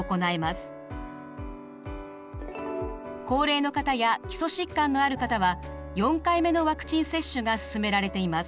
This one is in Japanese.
高齢の方や基礎疾患のある方は４回目のワクチン接種がすすめられています。